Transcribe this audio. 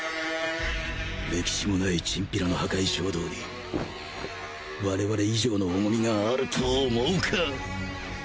歴史もないチンピラの破壊衝動に我々以上の重みがあると思うか？